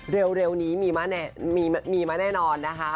เร็วนี้มีมาแน่นอนนะคะ